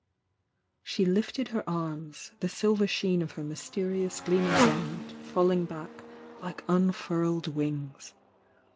She lifted her arms, the silver sheen of her mys terious gleaming garment falling back like unfurled wings.